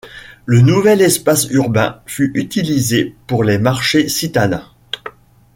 Le nouvel espace urbain fut utilisé pour les marchés citadins.